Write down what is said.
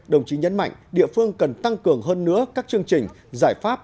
đồng chí nhấn mạnh địa phương cần tăng cường hơn nữa các chương trình giải pháp